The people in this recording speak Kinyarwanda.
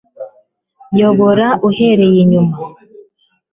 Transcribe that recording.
Yobora uhereye inyuma